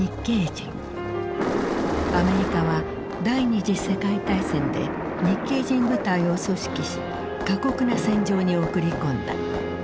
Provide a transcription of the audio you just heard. アメリカは第二次世界大戦で日系人部隊を組織し過酷な戦場に送り込んだ。